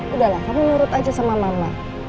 udahlah kamu nurut aja sama mama